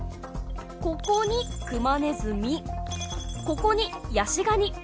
ここにクマネズミここにヤシガニ